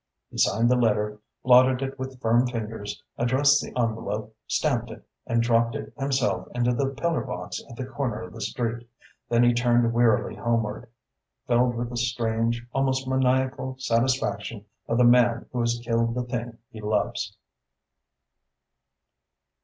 He signed the letter, blotted it with firm fingers, addressed the envelope, stamped it and dropped it himself into the pillar box at the corner of the street. Then he turned wearily homeward, filled with the strange, almost maniacal satisfaction of the man who has killed the thing he loves.